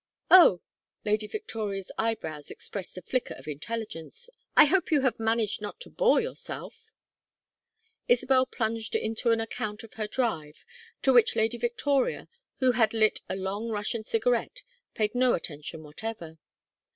"Oh!" Lady Victoria's eyebrows expressed a flicker of intelligence. "I hope you have managed not to bore yourself." Isabel plunged into an account of her drive, to which Lady Victoria, who had lit a long Russian cigarette, paid no attention whatever.